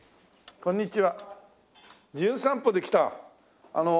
こんにちは。